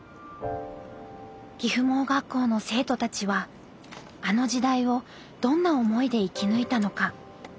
岐阜盲学校の生徒たちはあの時代をどんな思いで生き抜いたのか。